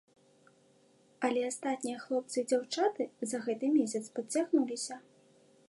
Але астатнія хлопцы і дзяўчаты за гэты месяц падцягнуліся.